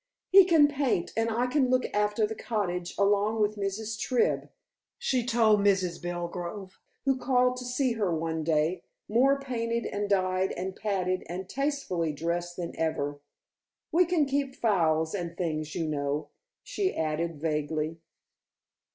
"He can paint and I can look after the cottage along with Mrs. Tribb," she told Mrs. Belgrove, who called to see her one day, more painted and dyed and padded and tastefully dressed than ever. "We can keep fowls and things, you know," she added vaguely.